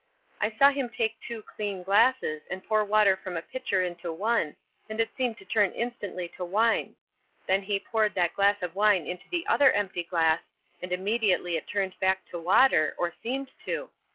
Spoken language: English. I saw him take two clean glasses, and pour water from a pitcher into one, and it seemed to turn instantly to wine; then he poured that glass of wine into the other empty glass, and immediately it turned back to water, or seemed to.